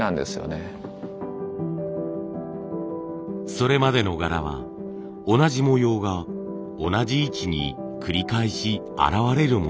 それまでの柄は同じ模様が同じ位置に繰り返し現れるものばかりでした。